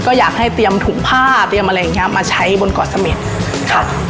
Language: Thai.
ก็อยากให้เตรียมถุงผ้าเตรียมอะไรอย่างเงี้ยมาใช้บนเกาะเสม็ดค่ะ